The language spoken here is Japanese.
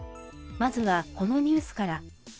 まずはこのニュースから。